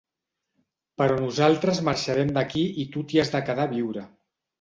Però nosaltres marxarem d'aquí i tu t'hi has de quedar a viure.